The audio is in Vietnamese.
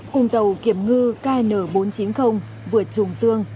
cùng tàu kiểm ngư kn bốn trăm chín mươi vượt trùm dương